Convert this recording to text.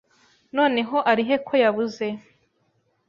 Noneho ari he ko yabuze